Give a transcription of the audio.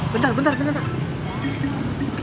bentar bentar bentar pak